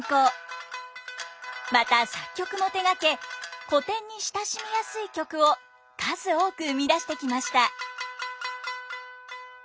また作曲も手がけ古典に親しみやすい曲を数多く生み出してきました。